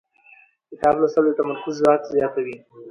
کتاب لوستل د تمرکز ځواک زیاتوي